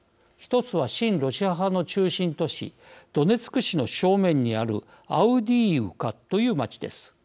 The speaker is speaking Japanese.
１つは、親ロシア派の中心都市ドネツク市の正面にあるアウディーイウカという町です。